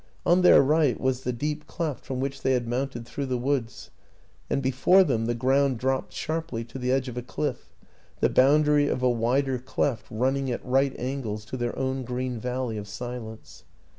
On their right was the deep cleft from which they had mounted through the woods; and before them the ground dropped sharply to the edge of a cliff, the boundary of a wider cleft run ning at right angles to their own green valley of silence.